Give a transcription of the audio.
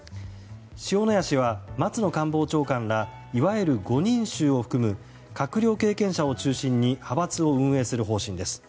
塩谷氏は松野官房長官らいわゆる５人衆を含む閣僚経験者を中心に派閥を運営する方針です。